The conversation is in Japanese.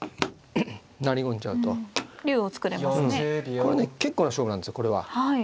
これね結構な勝負なんですよこれは。